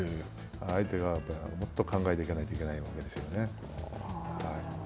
相手がもっと考えていかないといけないわけですよね。